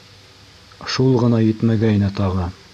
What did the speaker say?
Шул ғына етмәгәйне тағы.